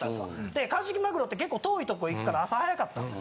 でカジキマグロって結構遠いとこ行くから朝早かったんです。